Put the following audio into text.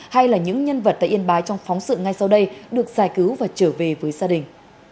hay là những nhân vật tại yên bái trong phóng sự ngay sau đây được giải cứu và trở về với gia đình